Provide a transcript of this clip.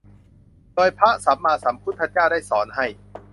โดยพระสัมมาสัมพุทธเจ้าได้สอนให้